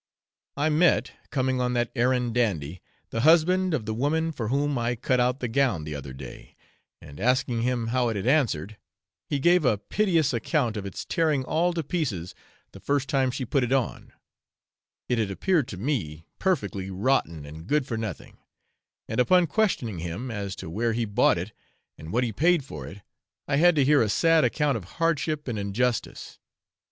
I met coming on that errand Dandy, the husband of the woman for whom I cut out the gown the other day; and asking him how it had answered, he gave a piteous account of its tearing all to pieces the first time she put it on; it had appeared to me perfectly rotten and good for nothing, and, upon questioning him as to where he bought it and what he paid for it, I had to hear a sad account of hardship and injustice.